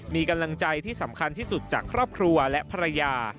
มีกำลังใจที่สำคัญที่สุดจากครอบครัวและภรรยา